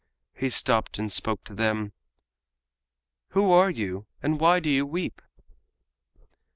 He stopped and spoke to them: "Who are you, and why do you weep?"